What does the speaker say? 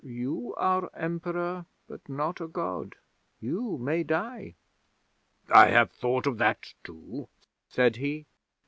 "You are Emperor, but not a God. You may die." '"I have thought of that too," said he.